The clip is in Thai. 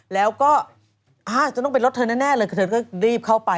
แล้วก็ขาดต้องเป็นลดเธอน่ะแน่เลยเธอก็รีบเข้าไป